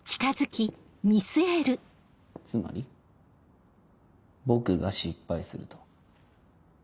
つまり僕が失敗すると？